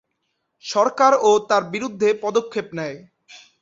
সরকার ও তার বিরুদ্ধে পদক্ষেপ নেয়।